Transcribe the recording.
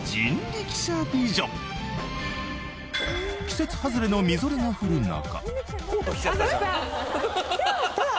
季節外れのみぞれが降る中あっ！